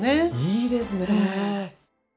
いいですね！